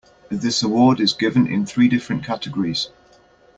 This award is given in three different categories.